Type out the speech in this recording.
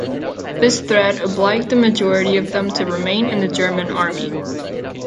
This threat obliged the majority of them to remain in the German army.